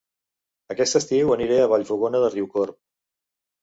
Aquest estiu aniré a Vallfogona de Riucorb